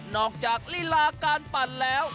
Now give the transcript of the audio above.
นอกจากฤลาการปั่นแล้ว